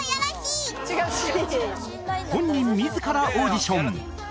本人自らオーディション